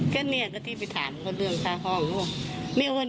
ก็เนี่ยที่ไปถามเรื่องสาหอง